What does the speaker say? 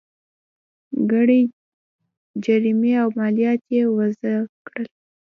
ګڼې جریمې او مالیات یې وضعه کړل.